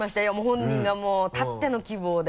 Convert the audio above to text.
本人がたっての希望で。